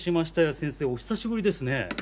先生お久しぶりですね。